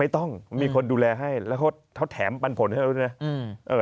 ต้องมีคนดูแลให้แล้วเขาแถมปันผลให้เราด้วยนะ